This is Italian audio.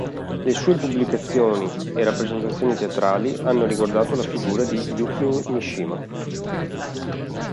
Le sue pubblicazioni e rappresentazioni teatrali hanno riguardato la figura di Yukio Mishima.